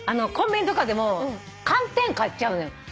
コンビニとかでも寒天買っちゃうのよ。